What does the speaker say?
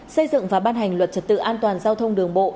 xây dựng và ban hành luật trật tự an toàn giao thông đường bộ